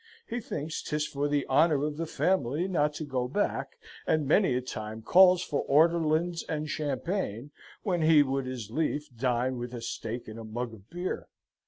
He thinks 'tis for the honour of the family not to go back, and many a time calls for ortolans and champaign when he would as leaf dine with a stake and a mugg of beer.